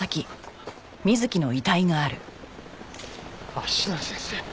芦名先生。